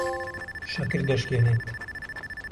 شەکر دەشکێنێت.